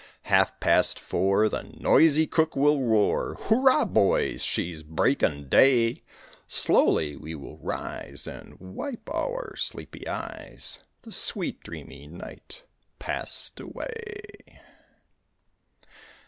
Half past four the noisy cook will roar, "Hurrah, boys! she's breaking day!" Slowly we will rise and wipe our sleepy eyes, The sweet, dreamy night passed away.